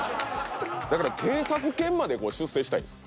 だから警察犬まで出世したいです。